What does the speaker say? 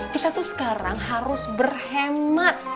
kita tuh sekarang harus berhemat